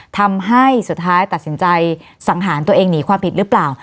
ทำให้สุดท้ายตัดสินใจสังหารตัวเองหนีความผิดหรือเปล่า